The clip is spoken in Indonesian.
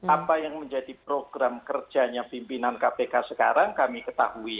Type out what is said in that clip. apa yang menjadi program kerjanya pimpinan kpk sekarang kami ketahui